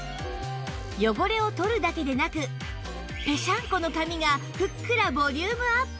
汚れを取るだけでなくぺしゃんこの髪がふっくらボリュームアップ